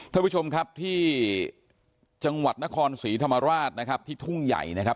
ท่านผู้ชมครับที่จังหวัดนครศรีธรรมราชนะครับที่ทุ่งใหญ่นะครับ